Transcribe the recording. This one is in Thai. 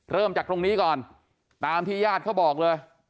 เริ่มจากตรงนี้ก่อนตามที่ญาติเขาบอกเลย